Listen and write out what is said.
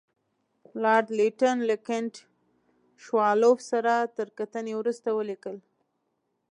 لارډ لیټن له کنټ شووالوف سره تر کتنې وروسته ولیکل.